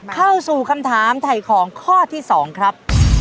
เข้าสู่คำถามถ่ายของข้อที่๒ครับ